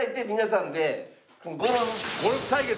ゴルフ対決？